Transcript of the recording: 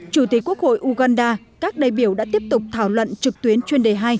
chủ tịch quốc hội uganda các đại biểu đã tiếp tục thảo luận trực tuyến chuyên đề hai